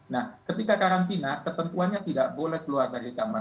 nah ketika karantina ketentuannya tidak boleh keluar dari kamar